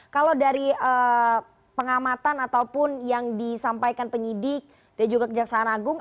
kalau dari pengamatan ataupun yang disampaikan penyidik dan juga kejaksaan agung